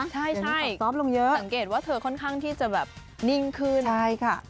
ใช่ใช่สังเกตว่าเธอค่อนข้างที่จะแบบนิ่งขึ้นใช่ค่ะ